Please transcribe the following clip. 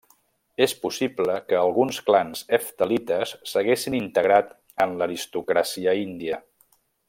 És possible que alguns clans heftalites s'haguessin integrat en l'aristocràcia índia.